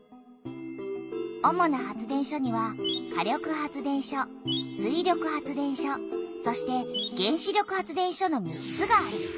主な発電所には火力発電所水力発電所そして原子力発電所の３つがある。